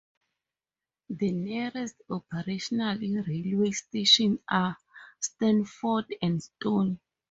The nearest operational railway stations are Stafford and Stone.